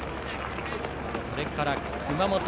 それから熊本。